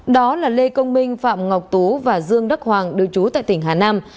đó là lê công minh phạm ngọc tú và dương đắc hoàng đưa chú tại tỉnh hà nam